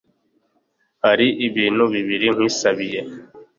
Hari ibintu bibiri nkwisabiye